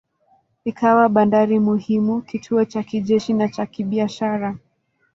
Ikawa bandari muhimu, kituo cha kijeshi na cha kibiashara.